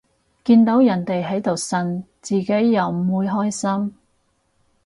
見到人哋喺度呻，自己又唔會開心